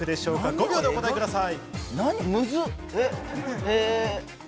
５秒でお答えください。